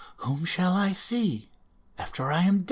Whom shall I see after I am dead?"